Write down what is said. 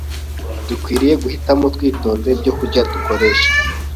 Dukwiriye guhitamo twitonze ibyokurya twakoresha